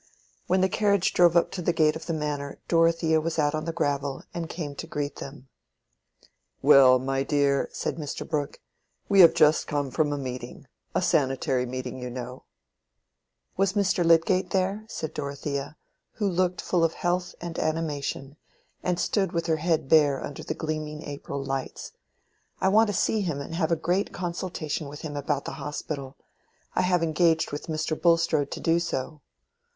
When the carriage drove up to the gate of the Manor, Dorothea was out on the gravel, and came to greet them. "Well, my dear," said Mr. Brooke, "we have just come from a meeting—a sanitary meeting, you know." "Was Mr. Lydgate there?" said Dorothea, who looked full of health and animation, and stood with her head bare under the gleaming April lights. "I want to see him and have a great consultation with him about the Hospital. I have engaged with Mr. Bulstrode to do so."